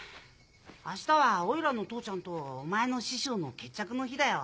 明日はおいらの父ちゃんとお前の師匠の決着の日だよ。